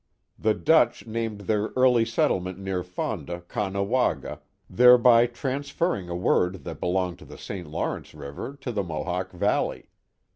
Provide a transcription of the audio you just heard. The Dutch named their early settlement near Fonda Caughnawaga, thereby transferring a word that be longed to the St. Lawrence River to the Mohawk Valley.